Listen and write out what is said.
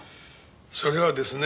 それはですね